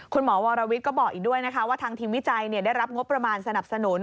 วรวิทย์ก็บอกอีกด้วยนะคะว่าทางทีมวิจัยได้รับงบประมาณสนับสนุน